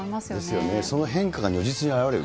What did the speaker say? ですよね、その変化が如実に表れる。